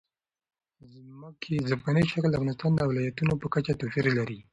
ځمکنی شکل د افغانستان د ولایاتو په کچه توپیر لري.